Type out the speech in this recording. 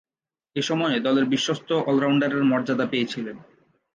এ সময়ে দলের বিশ্বস্ত অল-রাউন্ডারের মর্যাদা পেয়েছিলেন।